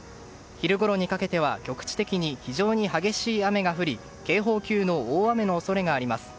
昼ごろにかけては局地的に非常に激しい雨が降り警報級の大雨の恐れがあります。